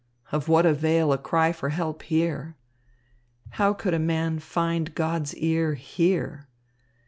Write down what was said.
Of what avail a cry for help here? How could a man find God's ear here?